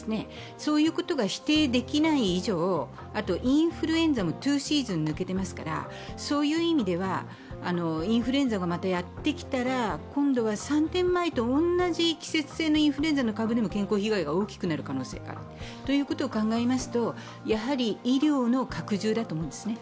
そういうことが否定できない以上、あとインフルエンザも２シーズン抜けていますからそういう意味ではインフルエンザがまたやってきたら今度は前と同じような季節性インフルエンザと同じような健康被害が大きくなる可能性があることを考えますとやはり医療の拡充だと思うんですね。